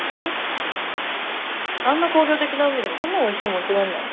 あんな工業的な海でこんなおいしいもん釣れんの？